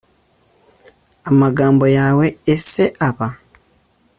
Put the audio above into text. amagambo yawe ese aba